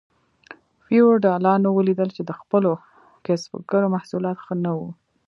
فیوډالانو ولیدل چې د خپلو کسبګرو محصولات ښه نه وو.